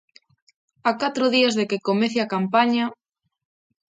A catro días de que comece a campaña...